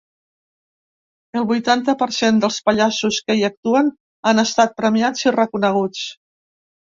El vuitanta per cent dels pallassos que hi actuen han estat premiats i reconeguts.